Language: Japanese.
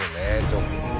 ちょっと。